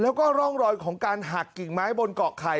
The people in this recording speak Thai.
แล้วก็ร่องรอยของการหักกิ่งไม้บนเกาะไข่